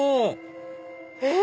え